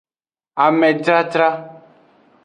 Amedradra.